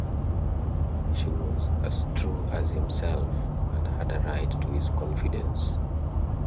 She was as true as himself and had a right to his confidence.